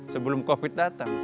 sebelum covid datang